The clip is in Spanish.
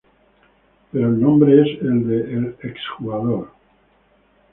Pero el nombre es del el exjugador.